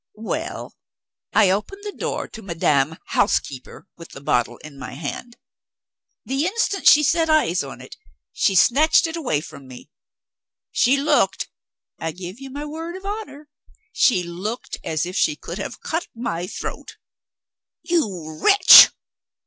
Well, I opened the door to Madame Housekeeper, with the bottle in my hand. The instant she set eyes on it, she snatched it away from me. She looked I give you my word of honor, she looked as if she could have cut my throat. "You wretch!"